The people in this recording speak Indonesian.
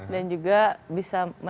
dan juga bisa dikonsumsi